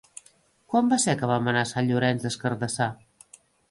Quan va ser que vam anar a Sant Llorenç des Cardassar?